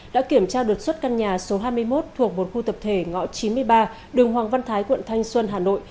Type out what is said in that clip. đã kiểm tra được suất căn nhà số hai mươi một thuộc một khu tập thể ngõ chín mươi ba đường hoàng văn thái tp thanh xuân hà nội